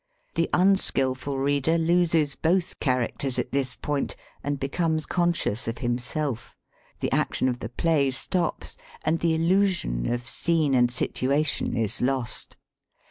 The unskilful reader loses both char acters at this point and becomes conscious of himself; the action of the play stops; and the illusion of scene and situation is lost.